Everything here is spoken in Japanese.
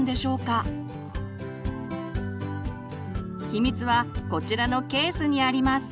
秘密はこちらのケースにあります。